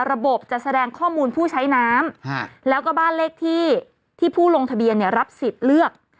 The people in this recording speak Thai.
ระบบจะแสดงข้อมูลผู้ใช้น้ำแล้วก็บ้านเลขที่ที่ผู้ลงทะเบียนรับสิทธิ์เลือก